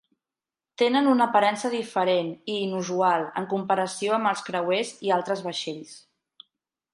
Tenen una aparença diferent i inusual en comparació amb els creuers i altres vaixells.